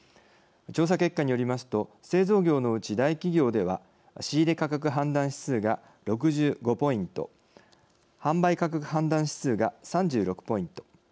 調査結果によりますと製造業のうち大企業では仕入れ価格判断指数が６５ポイント販売価格判断指数が３６ポイント